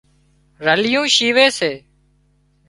رليون شيوي سي